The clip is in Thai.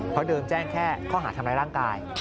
เพราะเดิมแจ้งแค่ข้อหาทำร้ายร่างกาย